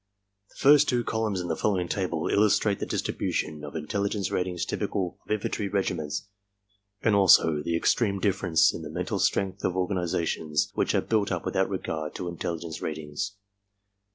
The first two columns in the following table illustrate the distribution of intelligence ratings typical of infantry regiments and also the extreme differences in the mental strength of or ganizations which are built up without regard to intelligence ratings.